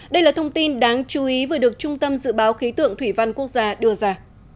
đây là thông tin đáng chú ý vừa được trung tâm dự báo khí tượng thủy văn quốc gia đưa ra